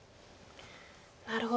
なるほど。